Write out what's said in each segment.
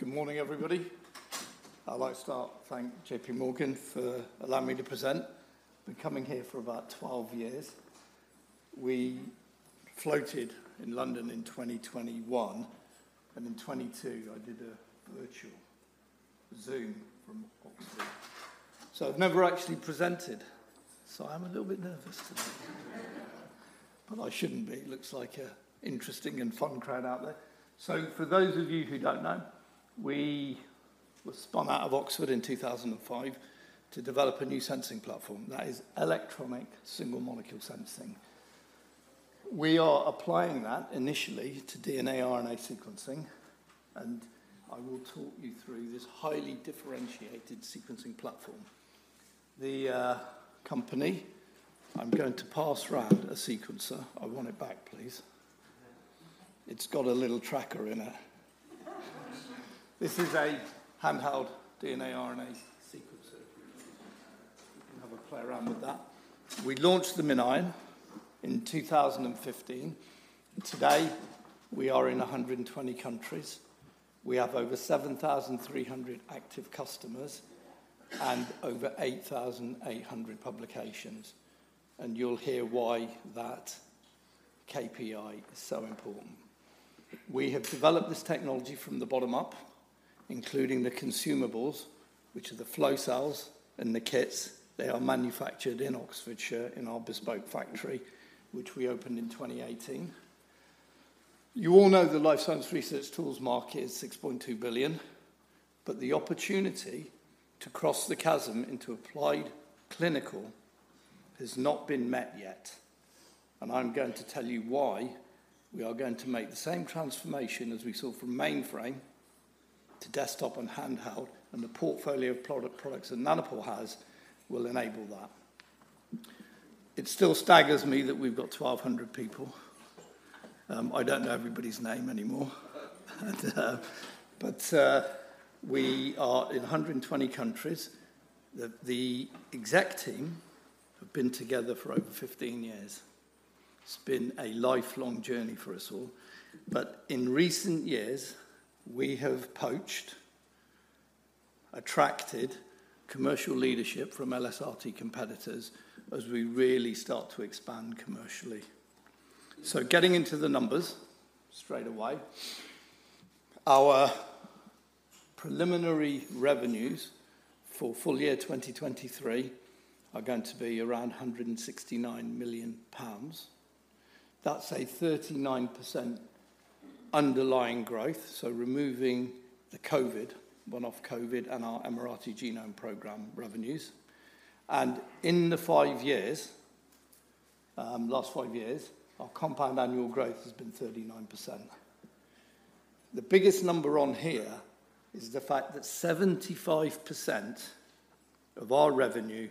Good morning, everybody. I'd like to start by thanking J.P. Morgan for allowing me to present. I've been coming here for about 12 years. We floated in London in 2021, and in 2022, I did a virtual Zoom from Oxford. So I've never actually presented, so I'm a little bit nervous today, but I shouldn't be. It looks like an interesting and fun crowd out there. So for those of you who don't know, we were spun out of Oxford in 2005 to develop a new sensing platform, that is electronic single-molecule sensing. We are applying that initially to DNA, RNA sequencing, and I will talk you through this highly differentiated sequencing platform. The company... I'm going to pass around a sequencer. I want it back, please. It's got a little tracker in it. This is a handheld DNA, RNA sequencer. You can have a play around with that. We launched the MinION in 2015, and today we are in 120 countries. We have over 7,300 active customers and over 8,800 publications, and you'll hear why that KPI is so important. We have developed this technology from the bottom up, including the consumables, which are the flow cells and the kits. They are manufactured in Oxfordshire, in our bespoke factory, which we opened in 2018. You all know the Life Science Research Tools market is $6.2 billion, but the opportunity to cross the chasm into applied clinical has not been met yet, and I'm going to tell you why. We are going to make the same transformation as we saw from mainframe to desktop and handheld, and the portfolio of products that Nanopore has will enable that. It still staggers me that we've got 1,200 people. I don't know everybody's name anymore, but we are in 120 countries. The exec team have been together for over 15 years. It's been a lifelong journey for us all. But in recent years, we have poached, attracted commercial leadership from LSRT competitors as we really start to expand commercially. So getting into the numbers straight away, our preliminary revenues for full year 2023 are going to be around 169 million pounds. That's a 39% underlying growth, so removing the COVID, one-off COVID and our Emirati Genome Program revenues. In the last five years, our compound annual growth has been 39%. The biggest number on here is the fact that 75% of our revenue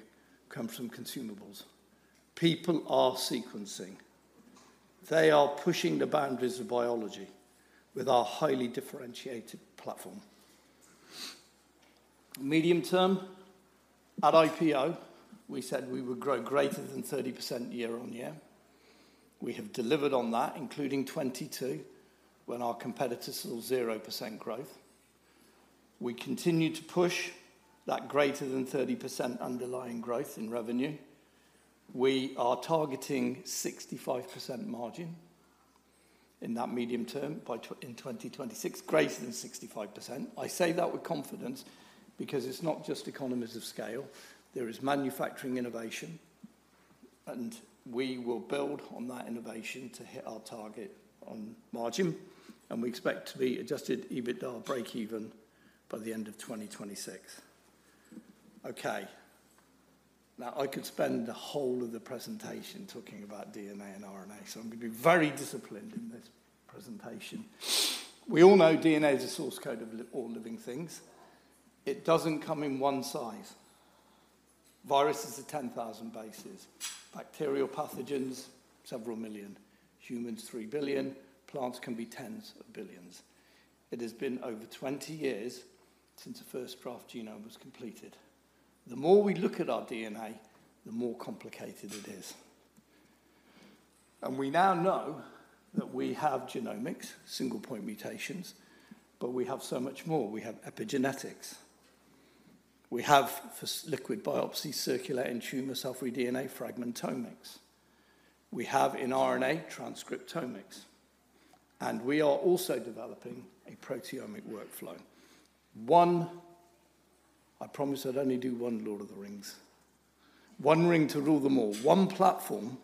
comes from consumables. People are sequencing. They are pushing the boundaries of biology with our highly differentiated platform. Medium-term, at IPO, we said we would grow greater than 30% year-on-year. We have delivered on that, including 2022, when our competitors saw 0% growth. We continue to push that greater than 30% underlying growth in revenue. We are targeting 65% margin in that medium term by 2026, greater than 65%. I say that with confidence because it's not just economies of scale, there is manufacturing innovation, and we will build on that innovation to hit our target on margin, and we expect to be adjusted EBITDA break even by the end of 2026. Okay, now, I could spend the whole of the presentation talking about DNA and RNA, so I'm going to be very disciplined in this presentation. We all know DNA is the source code of life, all living things. It doesn't come in one size. Viruses are 10,000 bases, bacterial pathogens, several million, humans, 3 billion, plants can be tens of billions. It has been over 20 years since the first draft genome was completed. The more we look at our DNA, the more complicated it is, and we now know that we have genomics, single point mutations, but we have so much more. We have epigenetics, we have, for liquid biopsy, circulating tumor cell-free DNA fragmentomics. We have in RNA, transcriptomics, and we are also developing a proteomic workflow. One, I promised I'd only do one Lord of the Rings, one ring to rule them all, one platform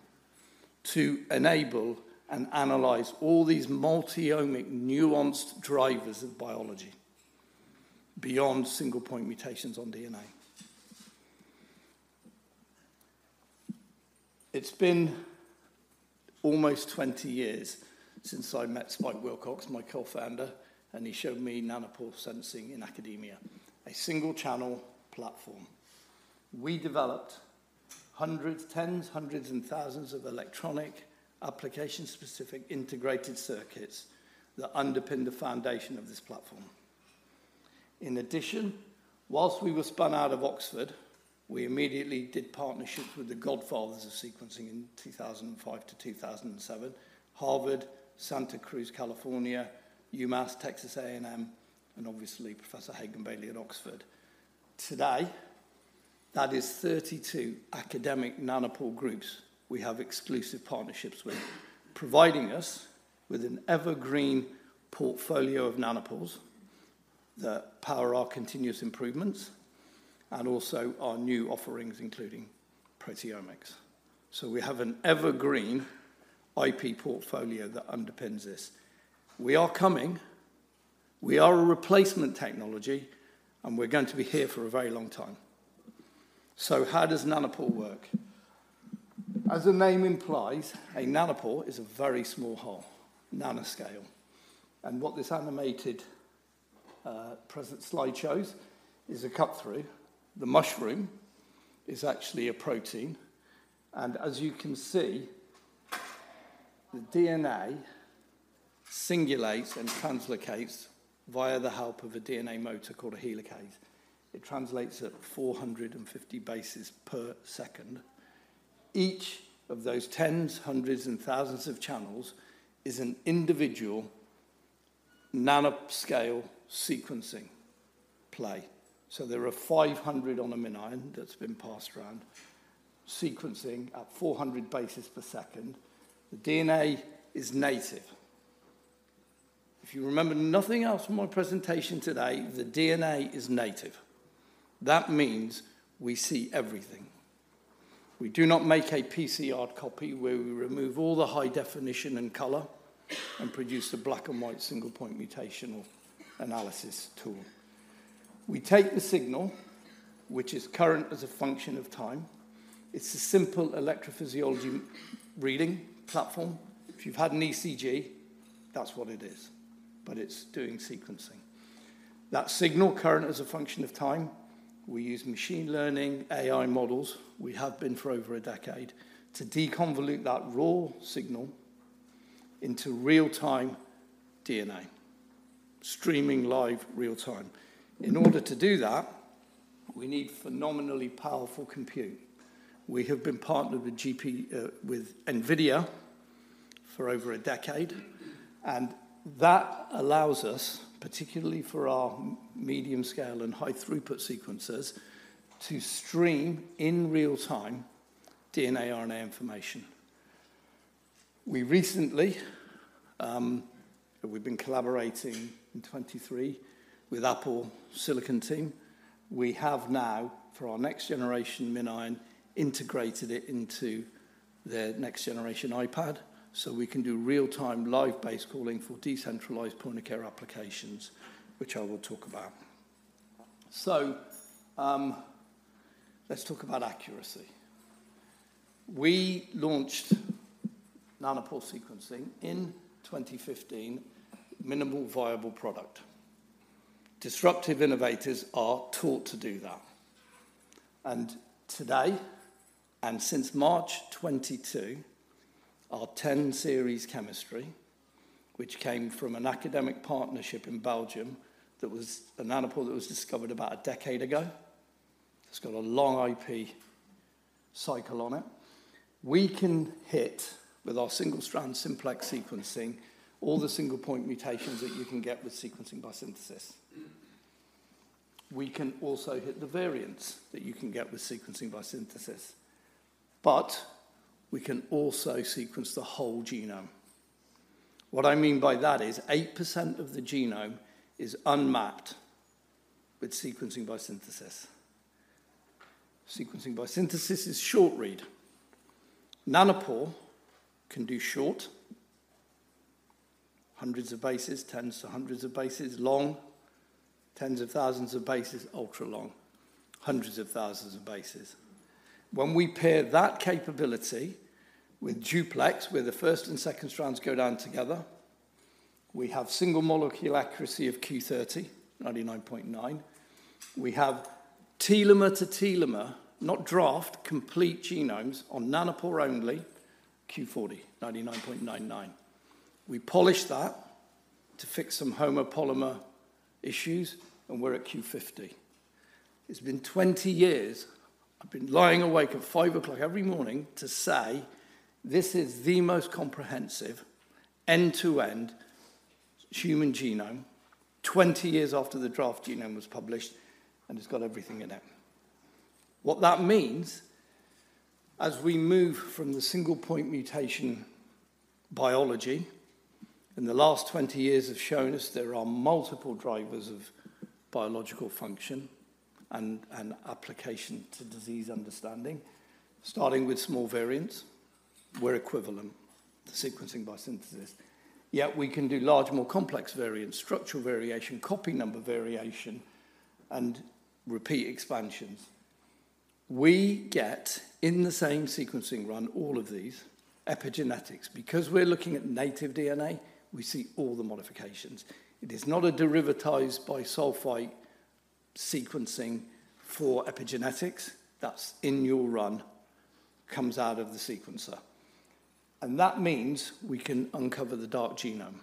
to enable and analyze all these multi-omic, nuanced drivers of biology beyond single point mutations on DNA. It's been almost 20 years since I met Spike Willcocks, my co-founder, and he showed me nanopore sensing in academia, a single channel platform. We developed hundreds, tens, hundreds, and thousands of electronic application-specific integrated circuits that underpin the foundation of this platform. In addition, while we were spun out of Oxford, we immediately did partnerships with the godfathers of sequencing in 2005 to 2007, Harvard, Santa Cruz, California, UMass, Texas A&M, and obviously Professor Hagan Bayley at Oxford. Today, that is 32 academic nanopore groups we have exclusive partnerships with, providing us with an evergreen portfolio of nanopores that power our continuous improvements and also our new offerings, including proteomics. So we have an evergreen IP portfolio that underpins this. We are coming, we are a replacement technology, and we're going to be here for a very long time. So how does nanopore work? As the name implies, a nanopore is a very small hole, nanoscale, and what this animated, present slide shows is a cut-through. The mushroom is actually a protein, and as you can see, the DNA singulates and translocates via the help of a DNA motor called a helicase. It translates at 450 bases per second. Each of those tens, hundreds, and thousands of channels is an individual nanoscale sequencing play. So there are 500 on a MinION that's been passed around, sequencing at 400 bases per second. The DNA is native. If you remember nothing else from my presentation today, the DNA is native. That means we see everything. We do not make a PCR copy, where we remove all the high definition and color and produce a black and white single point mutational analysis tool. We take the signal, which is current as a function of time. It's a simple electrophysiology reading platform. If you've had an ECG, that's what it is, but it's doing sequencing. That signal current as a function of time, we use machine learning AI models, we have been for over a decade, to deconvolute that raw signal into real-time DNA, streaming live real time. In order to do that, we need phenomenally powerful compute. We have been partnered with NVIDIA for over a decade, and that allows us, particularly for our medium scale and high throughput sequences, to stream in real time, DNA, RNA information. We recently, we've been collaborating in 2023 with Apple Silicon team. We have now, for our next generation MinION, integrated it into their next generation iPad, so we can do real-time, live base calling for decentralized point-of-care applications, which I will talk about. So, let's talk about accuracy. We launched nanopore sequencing in 2015, minimal viable product. Disruptive innovators are taught to do that, and today, and since March 2022, our 10 Series chemistry, which came from an academic partnership in Belgium, that was a nanopore that was discovered about a decade ago. It's got a long IP cycle on it. We can hit, with our single-strand simplex sequencing, all the single point mutations that you can get with sequencing by synthesis. We can also hit the variants that you can get with sequencing by synthesis, but we can also sequence the whole genome. What I mean by that is 8% of the genome is unmapped with sequencing by synthesis. Sequencing by synthesis is short read. Nanopore can do short, hundreds of bases, tens to hundreds of bases long, tens of thousands of bases, ultra long, hundreds of thousands of bases. When we pair that capability with duplex, where the first and second strands go down together, we have single molecule accuracy of Q30, 99.9%. We have telomere to telomere, not draft, complete genomes on Nanopore only, Q40, 99.99%. We polished that to fix some homopolymer issues, and we're at Q50. It's been 20 years. I've been lying awake at 5:00 A.M. every morning to say this is the most comprehensive end-to-end human genome, 20 years after the draft genome was published, and it's got everything in it. What that means, as we move from the single point mutation biology, and the last 20 years have shown us there are multiple drivers of biological function and, and application to disease understanding, starting with small variants, we're equivalent to sequencing by synthesis. Yet we can do large, more complex variants, structural variation, copy number variation, and repeat expansions. We get, in the same sequencing run, all of these epigenetics. Because we're looking at native DNA, we see all the modifications. It is not a derivatized bisulfite sequencing for epigenetics. That's in your run, comes out of the sequencer... and that means we can uncover the dark genome.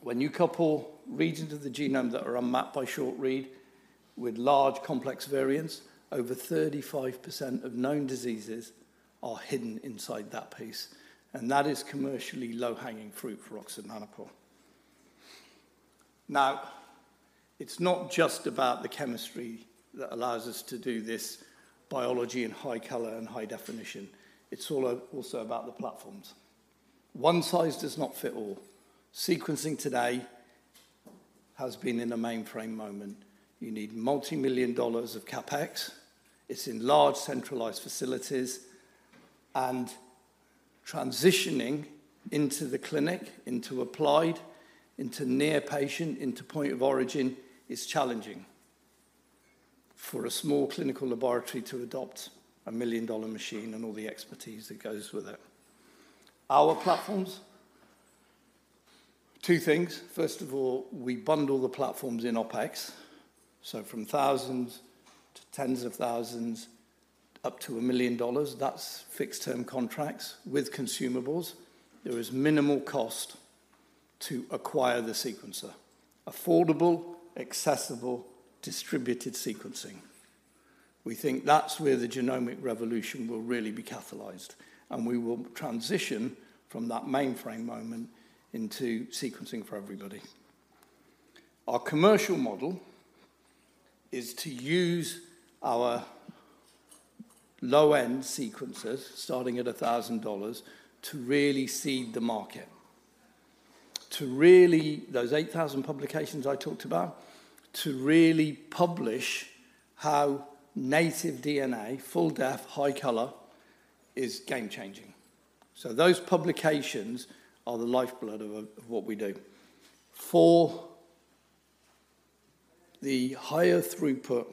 When you couple regions of the genome that are unmapped by short read with large complex variants, over 35% of known diseases are hidden inside that piece, and that is commercially low-hanging fruit for Oxford Nanopore. Now, it's not just about the chemistry that allows us to do this biology in high color and high definition, it's all also about the platforms. One size does not fit all. Sequencing today has been in a mainframe moment. You need $multi-million of CapEx. It's in large, centralized facilities, and transitioning into the clinic, into applied, into near patient, into point of origin, is challenging for a small clinical laboratory to adopt a $1 million machine and all the expertise that goes with it. Our platforms, two things. First of all, we bundle the platforms in OpEx, so from $1,000s to $10,000s, up to $1 million. That's fixed-term contracts with consumables. There is minimal cost to acquire the sequencer. Affordable, accessible, distributed sequencing. We think that's where the genomic revolution will really be catalyzed, and we will transition from that mainframe moment into sequencing for everybody. Our commercial model is to use our low-end sequencers, starting at $1,000, to really seed the market, to really- those 8,000 publications I talked about, to really publish how native DNA, full depth, high color, is game changing. So those publications are the lifeblood of what we do. For the higher throughput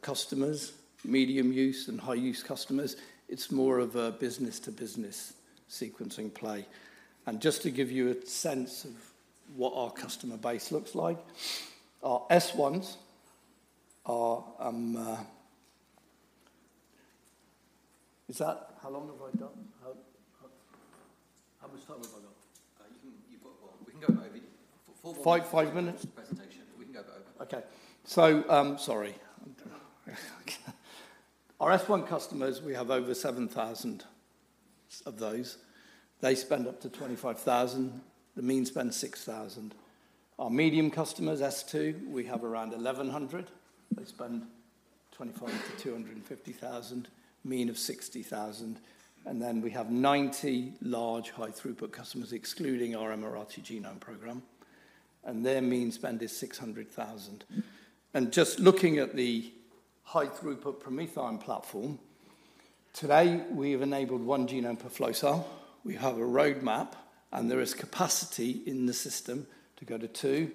customers, medium use, and high use customers, it's more of a business-to-business sequencing play. And just to give you a sense of what our customer base looks like, our S1s are... Is that, how long have I got? How much time have I got? You've got more. We can go over. Five, five minutes? Presentation. We can go over. Okay. So, sorry. Our S1 customers, we have over 7,000 of those. They spend up to $25,000. The mean spend, $6,000. Our medium customers, S2, we have around 1,100. They spend $25,000-$250,000, mean of $60,000. And then we have 90 large, high-throughput customers, excluding our Emirati Genome Program, and their mean spend is $600,000. And just looking at the high-throughput PromethION platform, today, we have enabled one genome per flow cell. We have a roadmap, and there is capacity in the system to go to two,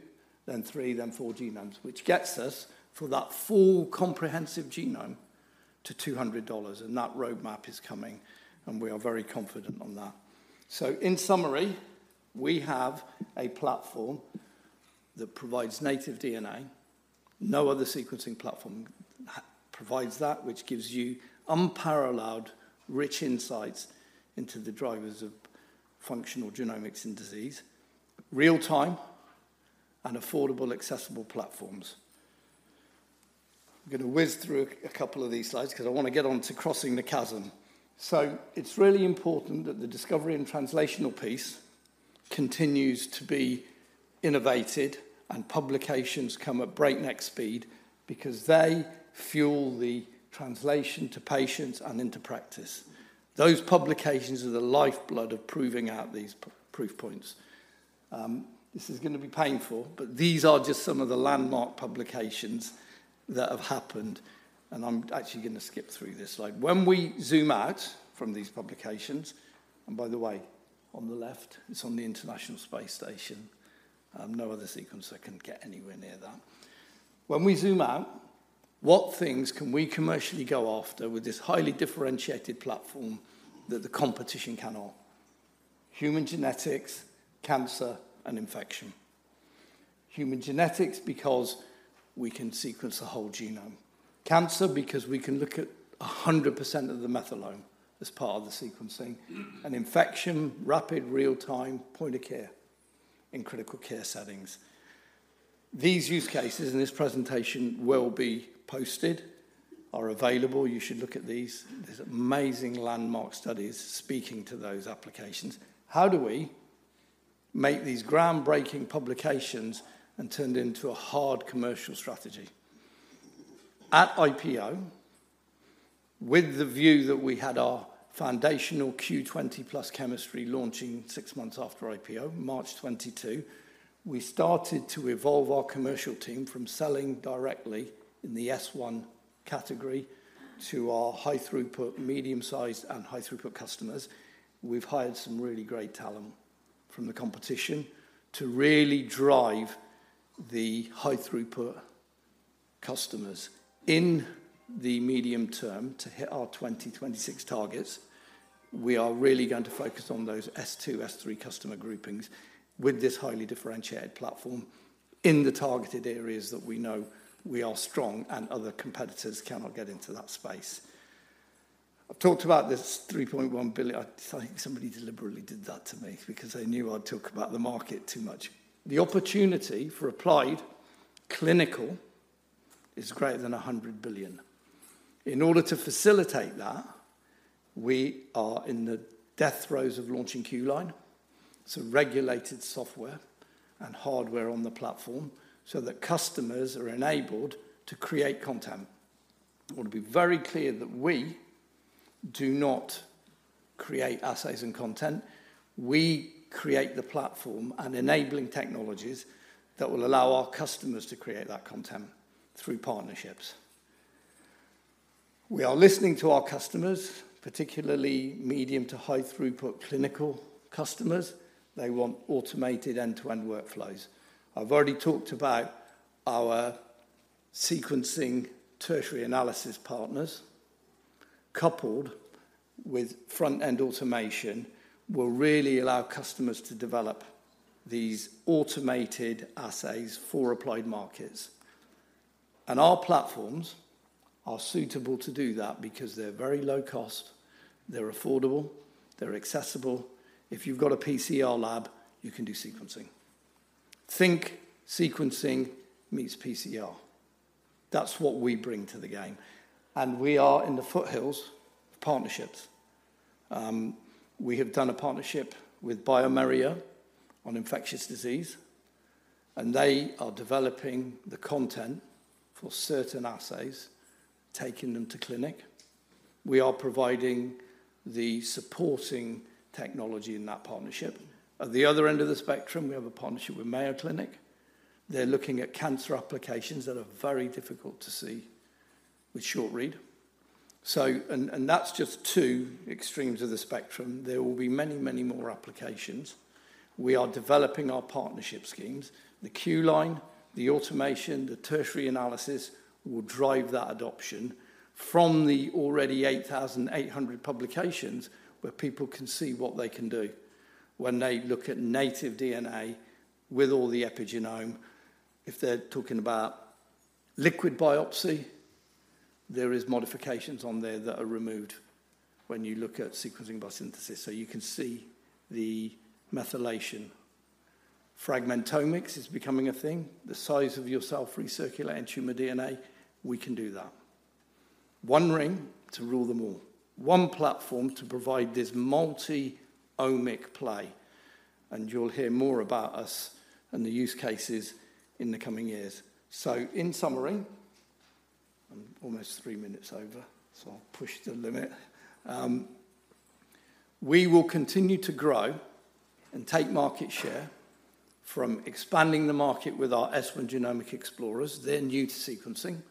then three, then four genomes, which gets us from that full comprehensive genome to $200, and that roadmap is coming, and we are very confident on that. So in summary, we have a platform that provides native DNA. No other sequencing platform provides that, which gives you unparalleled, rich insights into the drivers of functional genomics and disease, real time and affordable, accessible platforms. I'm gonna whiz through a couple of these slides because I want to get on to crossing the chasm. So it's really important that the discovery and translational piece continues to be innovated and publications come at breakneck speed because they fuel the translation to patients and into practice. Those publications are the lifeblood of proving out these proof points. This is going to be painful, but these are just some of the landmark publications that have happened, and I'm actually going to skip through this slide. When we zoom out from these publications... And by the way, on the left, it's on the International Space Station. No other sequencer can get anywhere near that. When we zoom out, what things can we commercially go after with this highly differentiated platform that the competition cannot? Human genetics, cancer, and infection. Human genetics, because we can sequence the whole genome. Cancer, because we can look at 100% of the methylome as part of the sequencing, and infection, rapid, real-time, point of care in critical care settings. These use cases in this presentation will be posted, are available. You should look at these. There's amazing landmark studies speaking to those applications. How do we make these groundbreaking publications and turn it into a hard commercial strategy? At IPO, with the view that we had our foundational Q20+ chemistry launching 6 months after IPO, March 2022, we started to evolve our commercial team from selling directly in the S1 category to our high-throughput, medium-sized, and high-throughput customers. We've hired some really great talent from the competition to really drive the high-throughput customers. In the medium term, to hit our 2026 targets, we are really going to focus on those S2, S3 customer groupings with this highly differentiated platform... in the targeted areas that we know we are strong, and other competitors cannot get into that space. I've talked about this $3.1 billion. I think somebody deliberately did that to me because they knew I'd talk about the market too much. The opportunity for applied clinical is greater than $100 billion. In order to facilitate that, we are in the death throes of launching Q-Line. So regulated software and hardware on the platform so that customers are enabled to create content. I want to be very clear that we do not create assays and content. We create the platform and enabling technologies that will allow our customers to create that content through partnerships. We are listening to our customers, particularly medium to high throughput clinical customers. They want automated end-to-end workflows. I've already talked about our sequencing tertiary analysis partners, coupled with front-end automation, will really allow customers to develop these automated assays for applied markets. Our platforms are suitable to do that because they're very low cost, they're affordable, they're accessible. If you've got a PCR lab, you can do sequencing. Think sequencing meets PCR. That's what we bring to the game, and we are in the foothills of partnerships. We have done a partnership with bioMérieux on infectious disease, and they are developing the content for certain assays, taking them to clinic. We are providing the supporting technology in that partnership. At the other end of the spectrum, we have a partnership with Mayo Clinic. They're looking at cancer applications that are very difficult to see with short read. So, and, and that's just two extremes of the spectrum. There will be many, many more applications. We are developing our partnership schemes. The Q-Line, the automation, the tertiary analysis will drive that adoption from the already 8,800 publications, where people can see what they can do when they look at native DNA with all the epigenome. If they're talking about liquid biopsy, there is modifications on there that are removed when you look at sequencing by synthesis, so you can see the methylation. Fragmentomics is becoming a thing, the size of your cell-free circulating tumor DNA, we can do that. One ring to rule them all. One platform to provide this multi-omic play, and you'll hear more about us and the use cases in the coming years. So in summary, I'm almost three minutes over, so I'll push the limit. We will continue to grow and take market share from expanding the market with our S1 Genomic Explorers. They're new to sequencing,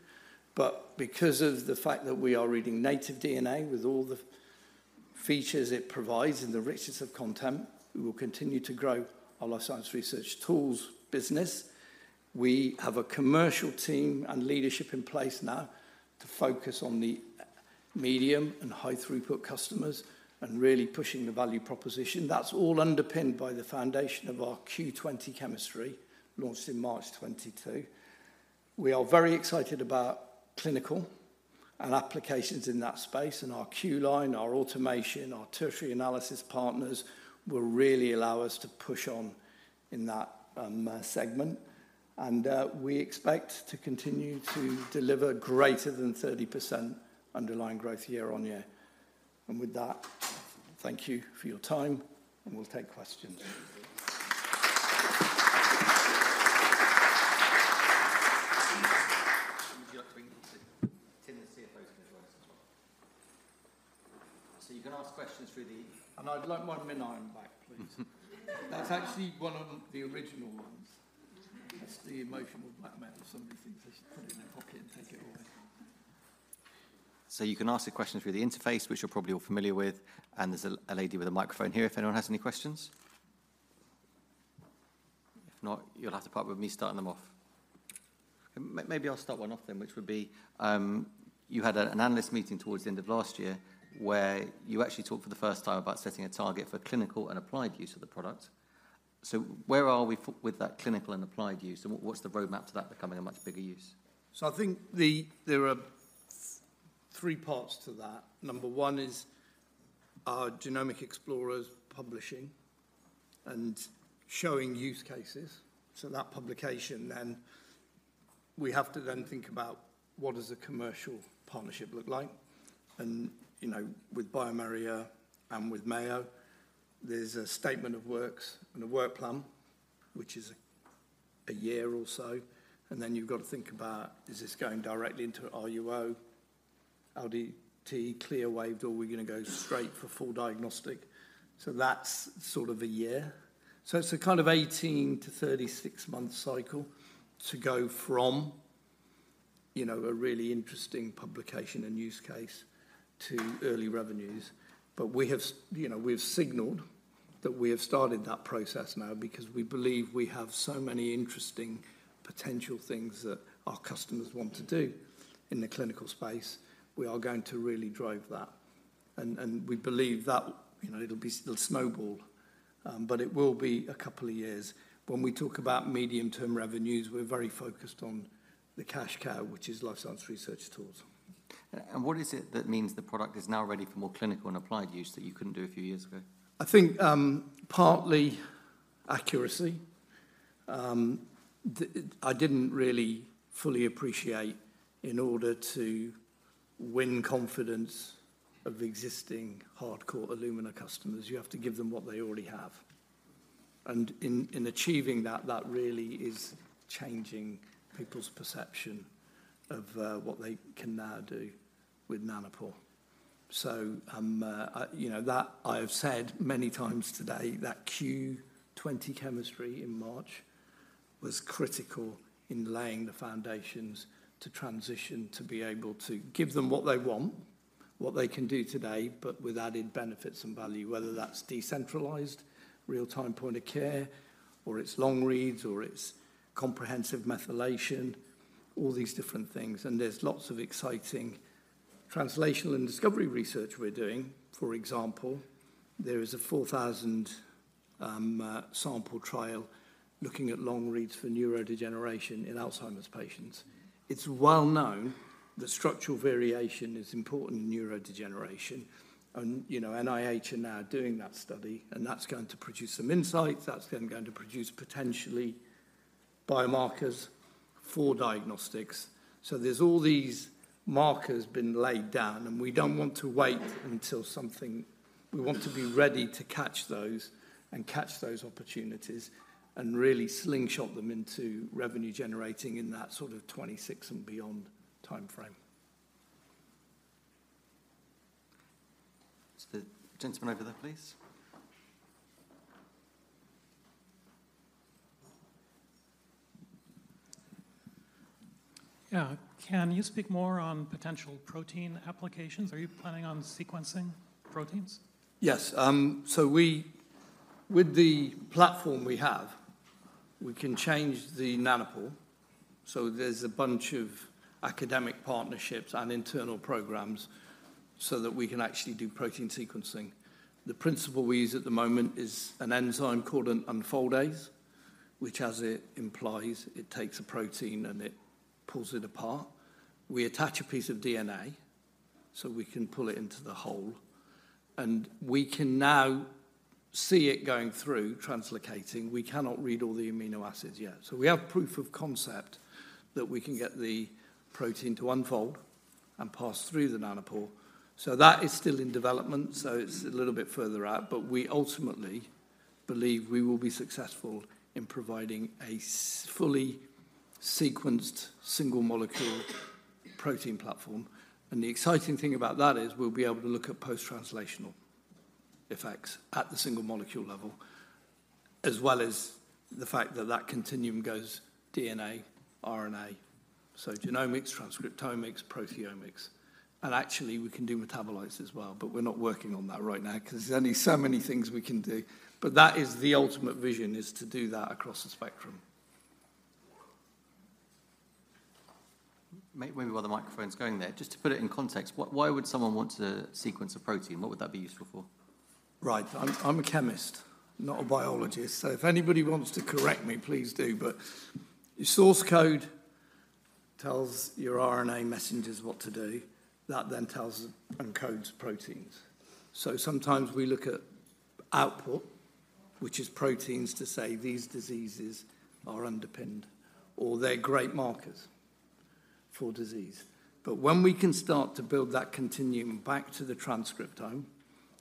but because of the fact that we are reading native DNA with all the features it provides and the richness of content, we will continue to grow our Life Science Research Tools business. We have a commercial team and leadership in place now to focus on the medium and high throughput customers and really pushing the value proposition. That's all underpinned by the foundation of our Q20 chemistry, launched in March 2022. We are very excited about clinical and applications in that space, and our Q Line, our automation, our tertiary analysis partners will really allow us to push on in that, segment. And, we expect to continue to deliver greater than 30% underlying growth year-on-year. And with that, thank you for your time, and we'll take questions.... So you can ask questions through the- I'd like my MinION back, please. That's actually one of the original ones. That's the emotional blackmail if somebody thinks they should put it in their pocket and take it away. So you can ask the questions through the interface, which you're probably all familiar with, and there's a lady with a microphone here, if anyone has any questions. If not, you'll have to put up with me starting them off. Maybe I'll start one off then, which would be, you had a, an analyst meeting towards the end of last year, where you actually talked for the first time about setting a target for clinical and applied use of the product. So where are we with that clinical and applied use, and what's the roadmap to that becoming a much bigger use? So I think there are three parts to that. Number one is our genomic explorers publishing and showing use cases, so that publication. Then we have to then think about what does a commercial partnership look like? And, you know, with bioMérieux and with Mayo Clinic, there's a statement of works and a work plan, which is a year or so, and then you've got to think about, is this going directly into RUO, LDT, CLIA waived, or we're going to go straight for full diagnostic? So that's sort of a year. So it's a kind of 18- to 36-month cycle to go from, you know, a really interesting publication and use case to early revenues. But we have, you know, we've signaled that we have started that process now because we believe we have so many interesting potential things that our customers want to do in the clinical space. We are going to really drive that. And we believe that, you know, it'll be still snowball, but it will be a couple of years. When we talk about medium-term revenues, we're very focused on the cash cow, which is Life Science Research Tools. What is it that means the product is now ready for more clinical and applied use that you couldn't do a few years ago? I think, partly accuracy. The, I didn't really fully appreciate in order to win confidence of existing hardcore Illumina customers, you have to give them what they already have. And in, in achieving that, that really is changing people's perception of, what they can now do with Nanopore. So, you know, that I have said many times today, that Q20 chemistry in March was critical in laying the foundations to transition, to be able to give them what they want, what they can do today, but with added benefits and value, whether that's decentralized, real-time point of care, or it's long reads, or it's comprehensive methylation, all these different things. And there's lots of exciting translational and discovery research we're doing. For example, there is a 4,000 sample trial looking at long reads for neurodegeneration in Alzheimer's patients. It's well known that structural variation is important in neurodegeneration, and, you know, NIH are now doing that study, and that's going to produce some insights. That's then going to produce potentially biomarkers for diagnostics. So there's all these markers been laid down, and we don't want to wait until something... We want to be ready to catch those and catch those opportunities and really slingshot them into revenue generating in that sort of 2026 and beyond timeframe. The gentleman over there, please. Yeah. Can you speak more on potential protein applications? Are you planning on sequencing proteins? Yes. So with the platform we have, we can change the nanopore. So there's a bunch of academic partnerships and internal programs so that we can actually do protein sequencing. The principle we use at the moment is an enzyme called an unfoldase, which, as it implies, it takes a protein, and it pulls it apart. We attach a piece of DNA, so we can pull it into the hole, and we can now see it going through translocating. We cannot read all the amino acids yet. So we have proof of concept that we can get the protein to unfold and pass through the nanopore. So that is still in development, so it's a little bit further out, but we ultimately believe we will be successful in providing a fully sequenced, single-molecule protein platform. The exciting thing about that is we'll be able to look at post-translational effects at the single molecule level, as well as the fact that that continuum goes DNA, RNA, so genomics, transcriptomics, proteomics, and actually we can do metabolites as well, but we're not working on that right now 'cause there's only so many things we can do. But that is the ultimate vision, is to do that across the spectrum. Maybe while the microphone's going there, just to put it in context, why would someone want to sequence a protein? What would that be useful for? Right. I'm, I'm a chemist, not a biologist, so if anybody wants to correct me, please do. But your source code tells your RNA messengers what to do. That then tells and encodes proteins. So sometimes we look at output, which is proteins, to say these diseases are underpinned or they're great markers for disease. But when we can start to build that continuum back to the transcriptome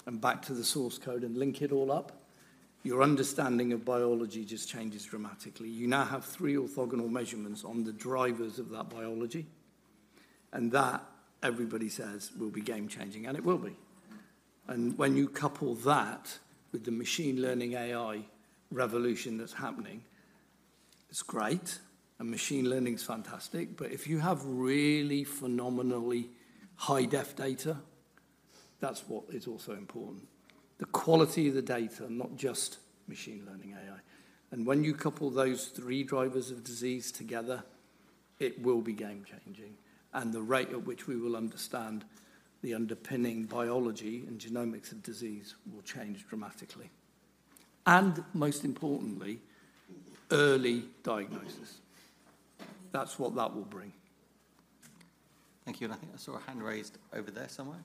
and back to the source code and link it all up, your understanding of biology just changes dramatically. You now have three orthogonal measurements on the drivers of that biology, and that, everybody says, will be game-changing, and it will be. And when you couple that with the machine learning AI revolution that's happening, it's great, and machine learning is fantastic, but if you have really phenomenally high-def data, that's what is also important. The quality of the data, not just machine learning AI. When you couple those three drivers of disease together, it will be game-changing, and the rate at which we will understand the underpinning biology and genomics of disease will change dramatically. Most importantly, early diagnosis. That's what that will bring. Thank you. I think I saw a hand raised over there somewhere.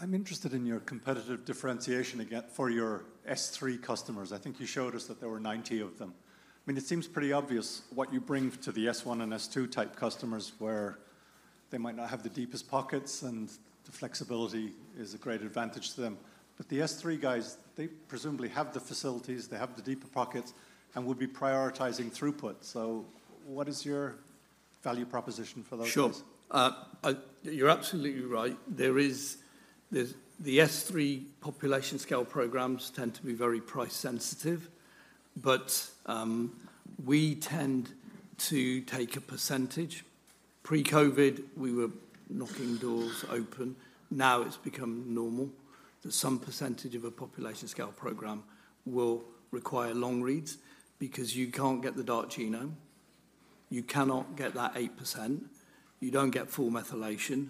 I'm interested in your competitive differentiation again for your S3 customers. I think you showed us that there were 90 of them. I mean, it seems pretty obvious what you bring to the S1 and S2 type customers, where they might not have the deepest pockets, and the flexibility is a great advantage to them. But the S3 guys, they presumably have the facilities, they have the deeper pockets, and would be prioritising throughput. So what is your value proposition for those guys? Sure. You're absolutely right. There is, there's the S3 population scale programs tend to be very price sensitive, but we tend to take a percentage, pre-COVID, we were knocking doors open. Now it's become normal that some percentage of a population scale program will require long reads because you can't get the dark genome, you cannot get that 8%, you don't get full methylation,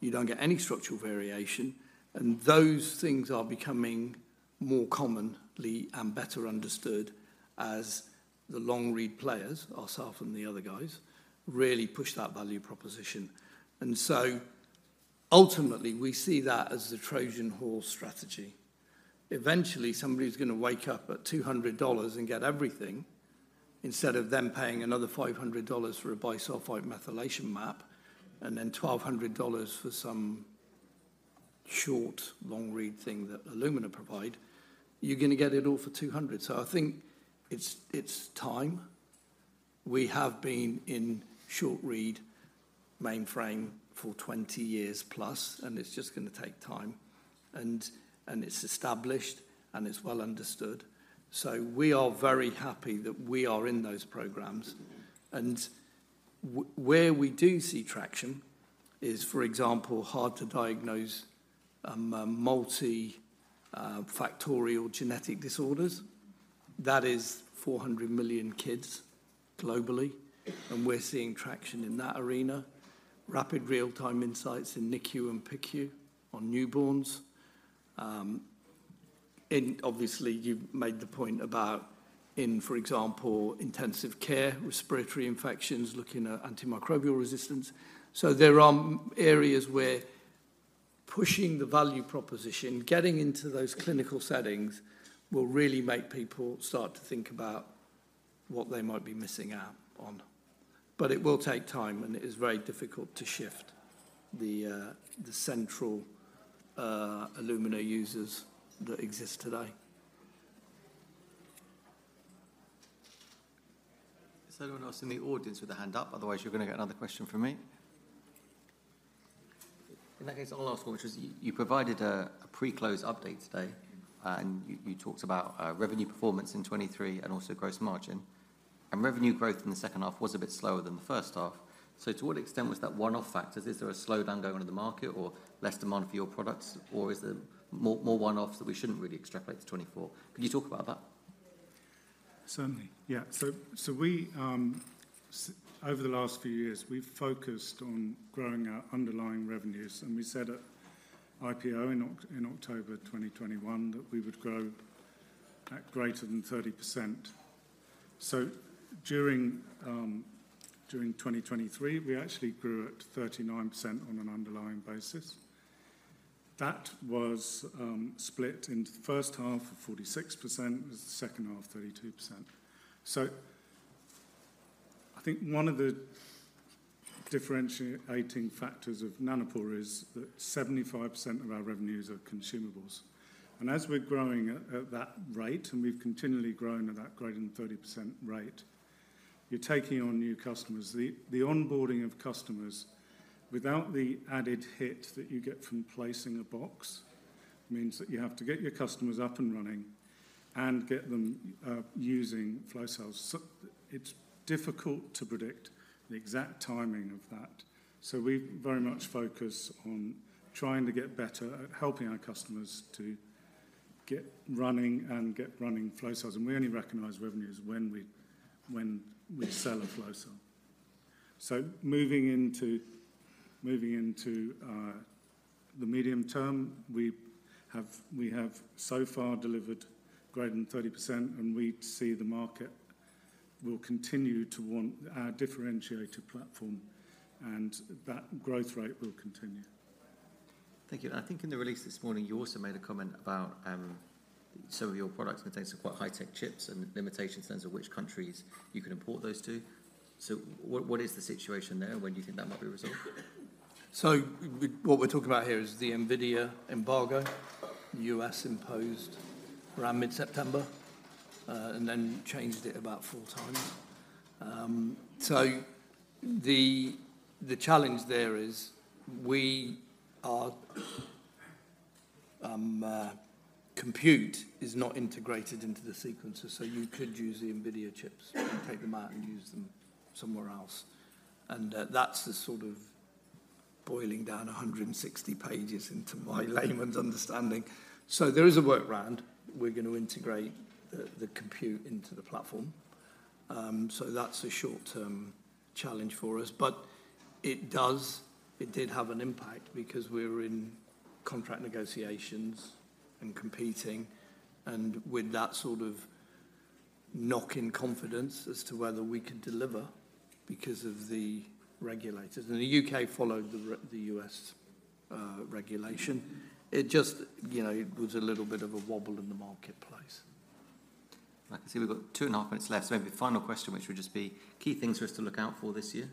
you don't get any structural variation. And those things are becoming more commonly and better understood as the long read players, ourself and the other guys, really push that value proposition. And so ultimately, we see that as the Trojan Horse strategy. Eventually, somebody's going to wake up at $200 and get everything, instead of them paying another $500 for a bisulfite methylation map, and then $1,200 for some short, long read thing that Illumina provide. You're going to get it all for 200. So I think it's time. We have been in short read mainframe for 20 years plus, and it's just going to take time, and it's established, and it's well understood. So we are very happy that we are in those programs. And where we do see traction is, for example, hard to diagnose multifactorial genetic disorders. That is 400 million kids globally, and we're seeing traction in that arena. Rapid real-time insights in NICU and PICU on newborns. And obviously, you've made the point about in, for example, intensive care, respiratory infections, looking at antimicrobial resistance. So there are areas where pushing the value proposition, getting into those clinical settings, will really make people start to think about what they might be missing out on. But it will take time, and it is very difficult to shift the central Illumina users that exist today. Is anyone else in the audience with a hand up? Otherwise, you're going to get another question from me. In that case, I'll ask one, which is, you provided a pre-close update today, and you talked about revenue performance in 2023 and also gross margin. Revenue growth in the second half was a bit slower than the first half. So to what extent was that one-off factors? Is there a slowdown going on in the market or less demand for your products, or is there more one-offs that we shouldn't really extrapolate to 2024? Could you talk about that? Certainly. Yeah. So, so we, over the last few years, we've focused on growing our underlying revenues, and we said at IPO in October 2021, that we would grow at greater than 30%. So during, during 2023, we actually grew at 39% on an underlying basis. That was, split into the first half of 46%, the second half, 32%. So I think one of the differentiating factors of Nanopore is that 75% of our revenues are consumables. And as we're growing at, at that rate, and we've continually grown at that greater than 30% rate, you're taking on new customers. The, the onboarding of customers without the added hit that you get from placing a box, means that you have to get your customers up and running and get them, using flow cells. So it's difficult to predict the exact timing of that. We very much focus on trying to get better at helping our customers to get running and get running flow cells, and we only recognize revenues when we sell a flow cell. Moving into the medium term, we have so far delivered greater than 30%, and we see the market will continue to want our differentiated platform, and that growth rate will continue. Thank you. I think in the release this morning, you also made a comment about, some of your products contain some quite high-tech chips and limitations in terms of which countries you can import those to. So what is the situation there, and when do you think that might be resolved? So what we're talking about here is the NVIDIA embargo, U.S. imposed around mid-September, and then changed it about 4 times. So the challenge there is compute is not integrated into the sequencer, so you could use the NVIDIA chips and take them out and use them somewhere else, and that's the sort of boiling down 160 pages into my layman's understanding. So there is a workaround. We're going to integrate the compute into the platform. So that's a short-term challenge for us. But it does, it did have an impact because we were in contract negotiations and competing, and with that sort of knock in confidence as to whether we could deliver because of the regulators. And the U.K. followed the U.S. regulation. It just, you know, it was a little bit of a wobble in the marketplace. I can see we've got 2.5 minutes left, so maybe the final question, which would just be, key things for us to look out for this year?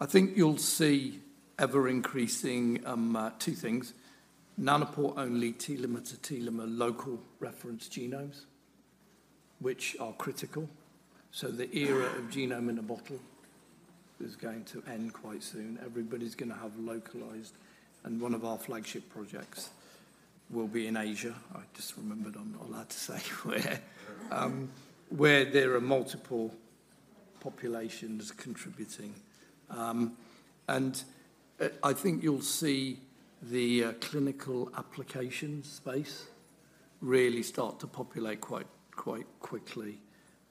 I think you'll see ever-increasing two things. Nanopore-only telomere to telomere local reference genomes, which are critical. So the era of Genome in a Bottle is going to end quite soon. Everybody's going to have localized... And one of our flagship projects will be in Asia. I just remembered I'm not allowed to say where. where there are multiple populations contributing. and I think you'll see the clinical application space really start to populate quite, quite quickly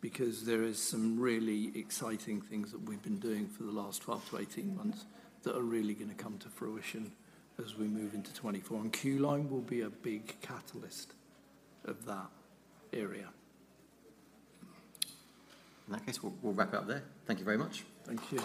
because there is some really exciting things that we've been doing for the last 12-18 months that are really going to come to fruition as we move into 2024, and Q-Line will be a big catalyst of that area. In that case, we'll wrap it up there. Thank you very much. Thank you.